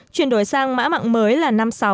chuyển đổi sang mã mạng mới là năm mươi sáu năm mươi tám